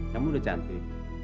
kamu sudah cantik